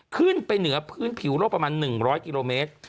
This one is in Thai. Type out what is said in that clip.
ขึ้นไปเหนือพื้นผิวโลกประมาณ๑๐๐กิโลเมตร